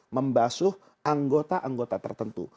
membasuh anggota anggota tertentu